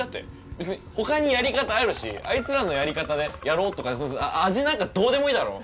別にほかにやり方あるしあいつらのやり方でやろうとか味なんかどうでもいいだろ！